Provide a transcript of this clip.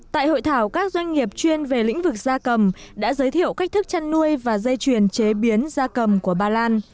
tại hội thảo các doanh nghiệp chuyên về lĩnh vực da cầm đã giới thiệu cách thức chăn nuôi và dây chuyền chế biến da cầm của ba lan